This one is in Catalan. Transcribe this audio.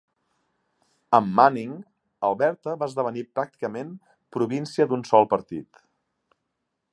Amb Manning, Alberta va esdevenir pràcticament província d'un sol partit.